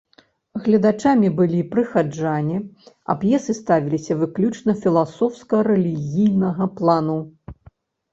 Гледачамі былі прыхаджане, а п'есы ставіліся выключна філасофска-рэлігійнага плану.